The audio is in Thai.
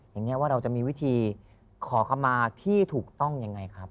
อย่างนี้ว่าเราจะมีวิธีขอคำมาที่ถูกต้องยังไงครับ